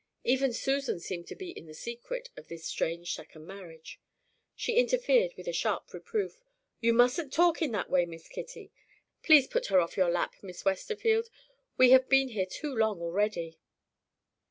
Even Susan seemed to be in the secret of this strange second marriage! She interfered with a sharp reproof. "You mustn't talk in that way, Miss Kitty. Please put her off your lap, Miss Westerfield; we have been here too long already."